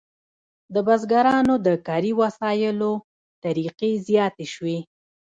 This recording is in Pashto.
د بزګرانو د کاري وسایلو طریقې زیاتې شوې.